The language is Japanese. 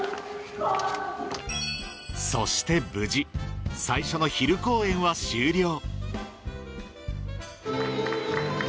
そして無事最初の昼公演は終了